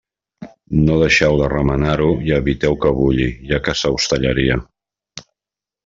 No deixeu de remenar-ho i eviteu que bulli, ja que se us tallaria.